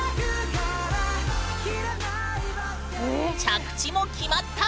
着地も決まった！